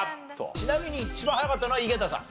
ちなみに一番早かったのは井桁さん。